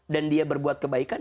dan dia berbuat kebaikan